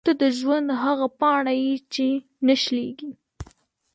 • ته د ژوند هغه پاڼه یې چې نه شلېږي.